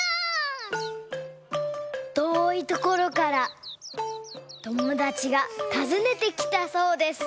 とおいところからともだちがたずねてきたそうです。